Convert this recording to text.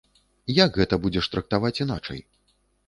Як гэта будзеш трактаваць іначай?